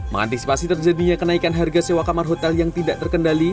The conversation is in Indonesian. mengantisipasi terjadinya kenaikan harga sewa kamar hotel yang tidak terkendali